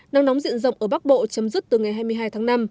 nắng nóng diện rộng ở bắc bộ chấm dứt từ ngày hai mươi hai tháng năm